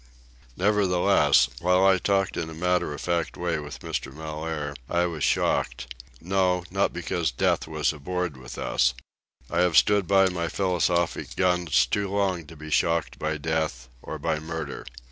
Nevertheless, while I talked in a matter of fact way with Mr. Mellaire, I was shocked—no; not because death was aboard with us. I have stood by my philosophic guns too long to be shocked by death, or by murder.